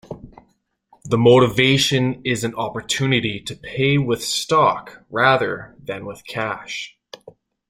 The motivation is an opportunity to pay with stock rather than with cash.